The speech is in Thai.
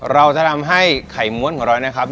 เราจะทำให้ไข่ม้วนของเรานะครับ